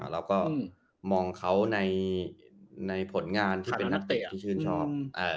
แล้วก็มองเขาในผลงานที่เป็นนักเตะที่ชื่นชอบ